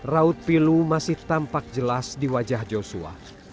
raut pilu masih tampak jelas di wajah joshua